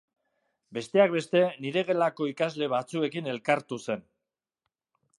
Besteak beste nire gelako ikasle batzuekin elkartu zen.